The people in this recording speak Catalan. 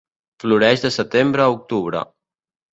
Floreix de setembre a octubre.